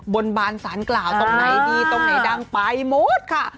บนบานสารกล่าวตรงไหนดีตรงไหนดังไปหมดค่ะ